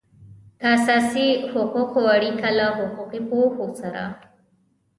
د اساسي حقوقو اړیکه له حقوقي پوهو سره